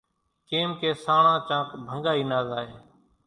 ڪيمڪي سانڻان چانڪ ڀنڳائي نا زائي